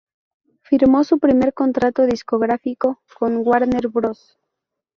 Firmó su primer contrato discográfico con Warner Bros.